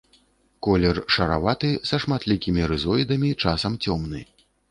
Колер шараваты са шматлікімі рызоідамі, часам цёмны.